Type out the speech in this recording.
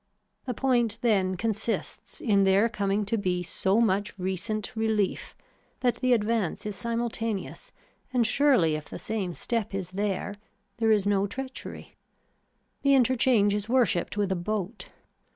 The point then consists in there coming to be so much recent relief that the advance is simultaneous and surely if the same step is there there is no treachery. The interchange is worshipped with a boat.